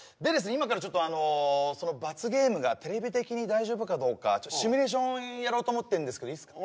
今からちょっとあのその罰ゲームがテレビ的に大丈夫かどうかシミュレーションやろうと思ってんですけどいいっすか？